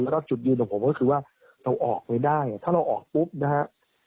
แล้วก็จุดยืนของผมก็คือว่าเราออกไปได้ถ้าเราออกปุ๊บนะฮะ